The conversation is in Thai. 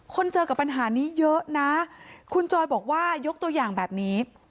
เจอกับปัญหานี้เยอะนะคุณจอยบอกว่ายกตัวอย่างแบบนี้